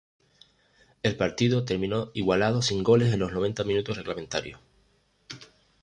El partido terminó igualado sin goles en los noventa minutos reglamentarios.